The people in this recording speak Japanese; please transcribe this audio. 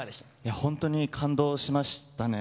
本当に感動しましたね。